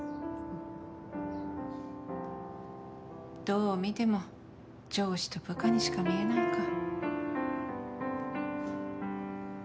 どう見ても上司と部下にしか見えないか。